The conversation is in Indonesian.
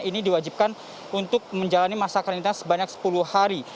ini diwajibkan untuk menjalani masa karantina sebanyak sepuluh hari